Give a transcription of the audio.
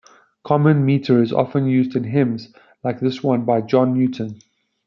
Common metre is often used in hymns, like this one by John Newton.